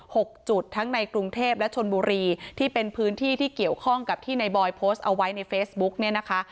หกจุดทั้งในกรุงเทพและชนบุรีที่เป็นพื้นที่ที่เกี่ยวข้องกับที่ในบอยโพสต์เอาไว้ในเฟซบุ๊กเนี่ยนะคะ